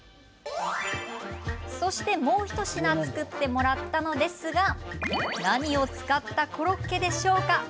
そして、もう一品作ってもらったのですが何を使ったコロッケでしょうか？